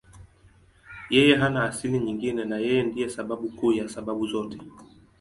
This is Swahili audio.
Yeye hana asili nyingine na Yeye ndiye sababu kuu ya sababu zote.